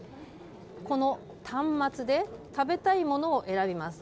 この端末で食べたいものを選びます。